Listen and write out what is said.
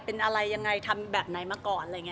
เป็นอะไรยังไงทำแบบไหนมาก่อน